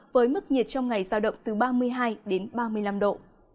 với mức nhiệt trong ngày giao động từ ba mươi hai đến ba mươi năm độ